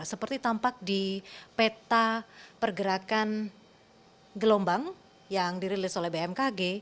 seperti tampak di peta pergerakan gelombang yang dirilis oleh bmkg